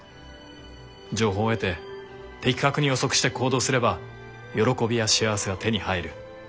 情報を得て的確に予測して行動すれば喜びや幸せは手に入る。